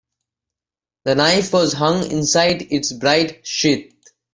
The knife was hung inside its bright sheath.